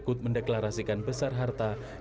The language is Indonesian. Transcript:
ikut mendeklarasikan besar harta levek lalekopo